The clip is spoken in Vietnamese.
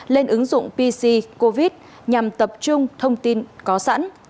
lên ứng dụng pc covid nhằm tập trung thông tin có sẵn